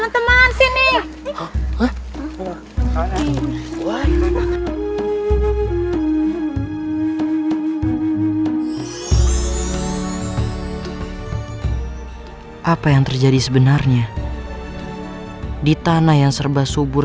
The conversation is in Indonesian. hai teman teman sini apa yang terjadi sebenarnya di tanah yang serba subur